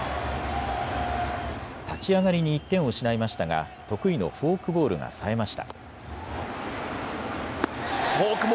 立ち上がりに１点を失いましたが得意のフォークボールがさえました。